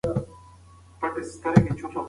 موږ باید د خپلې ژبې د ودې لپاره کار وکړو.